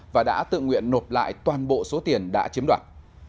và đã tự nguyện nộp lại toàn bộ số tiền đã chiếm đoạt